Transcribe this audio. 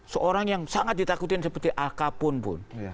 seorang yang sangat ditakutin seperti alka pun